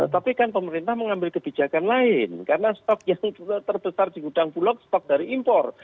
tapi kan pemerintah mengambil kebijakan lain karena stok yang terbesar di gudang bulok stok dari impor